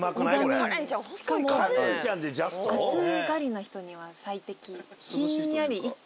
しかも暑がりな人には最適。